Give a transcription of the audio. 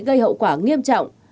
gây hậu quả nghiêm trọng